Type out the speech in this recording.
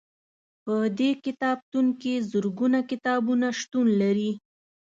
په دې کتابتون کې زرګونه کتابونه شتون لري.